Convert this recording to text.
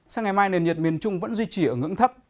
sáng ngày mai nền nhiệt miền trung vẫn duy trì ở ngưỡng thấp